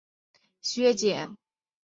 该党支持政党联盟零削减。